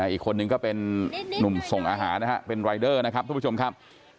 อีกคนนึงก็เป็นนุ่มส่งอาหารนะครับเป็นรายเดอร์นะครับทุกผู้ชมครับ